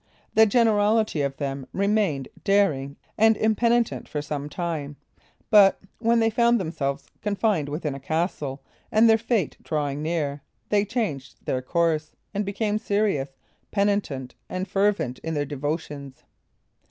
The generality of them remained daring and impenitent for some time, but when they found themselves confined within a castle, and their fate drawing near, they changed their course, and became serious, penitent, and fervent in their devotions.